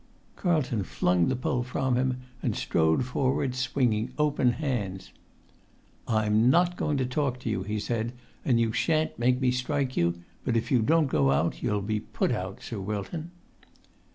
[Pg 123]Carlton flung the pole from him, and strode forward, swinging open hands. "I'm not going to talk to you," he said, "and you sha'n't make me strike you; but if you don't go out you'll be put out, Sir Wilton."